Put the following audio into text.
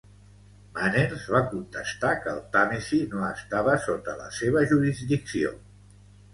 Manners va contestar que el Tàmesi no estava sota la seva jurisdicció.